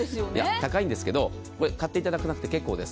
高いんですけど勝っていただかなくて結構です。